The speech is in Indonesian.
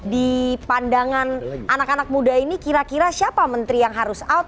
di pandangan anak anak muda ini kira kira siapa menteri yang harus out